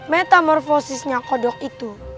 metamorfosisnya kodok itu